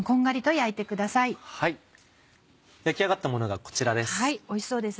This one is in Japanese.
焼き上がったものがこちらです。